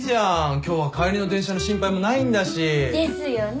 今日は帰りの電車の心配もないんだし。ですよね。